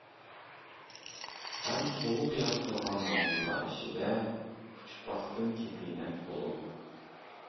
ھەم تولىمۇ ياقتۇرغان ماۋزۇلار ئىچىدە ئۇچۇپ باقتىم كېپىنەك بولۇپ.